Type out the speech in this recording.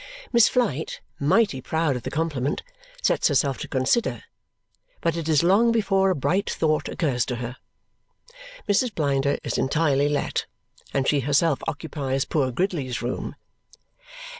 Miss Flite, mighty proud of the compliment, sets herself to consider; but it is long before a bright thought occurs to her. Mrs. Blinder is entirely let, and she herself occupies poor Gridley's room.